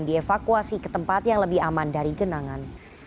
dievakuasi ke tempat yang lebih aman dari genangan